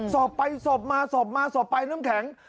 สอบไปสอบมาสอบมาสอบไปน้ำแข็ง